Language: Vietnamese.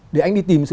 để anh đi tìm sự